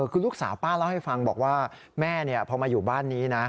คือลูกสาวป้าเล่าให้ฟังบอกว่าแม่พอมาอยู่บ้านนี้นะ